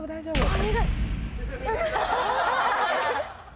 お願い。